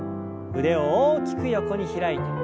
腕を大きく横に開いて。